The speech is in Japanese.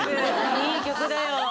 いい曲だよ。